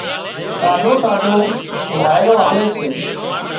ٽاڍو ٽاڍو وارئيرو آوي سي